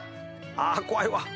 あ怖いわ。